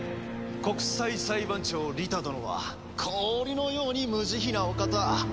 国際裁判長リタ殿は氷のように無慈悲なお方。